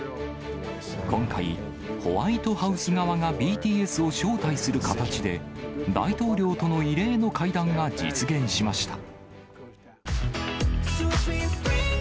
今回、ホワイトハウス側がＢＴＳを招待する形で、大統領との異例の会談が実現しました。